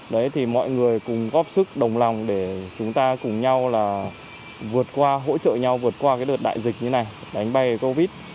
đấy thì mọi người cùng góp sức đồng lòng để chúng ta cùng nhau là vượt qua hỗ trợ nhau vượt qua cái đợt đại dịch như này đánh bay covid